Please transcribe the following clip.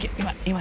今！